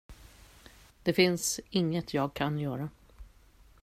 Det finns inget jag kan göra.